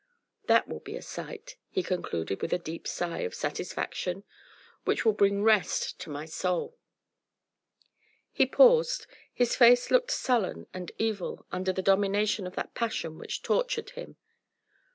That will be a sight," he concluded with a deep sigh of satisfaction, "which will bring rest to my soul." He paused: his face looked sullen and evil under the domination of that passion which tortured him.